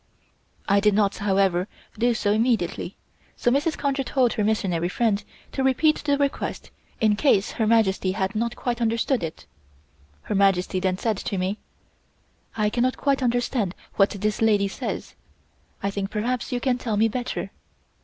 I did not, however, do so immediately, so Mrs. Conger told her missionary friend to repeat the request in case Her Majesty had not quite understood it. Her Majesty then said to me: "I cannot quite understand what this lady says. I think perhaps you can tell me better."